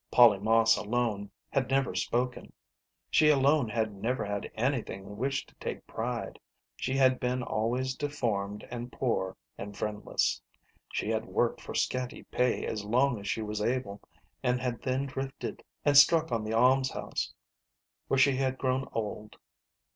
Polly Moss alone had never spoken. She alone had never had anything in which to take pride. She had been always deformed and poor and friendless. She had worked for scanty pay as long as she was able, and had then drifted and struck on the almshouse, where she had grown old.